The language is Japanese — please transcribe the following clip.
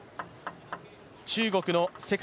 中国の世界